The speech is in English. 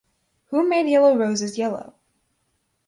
Who Made Yellow Roses Yellow?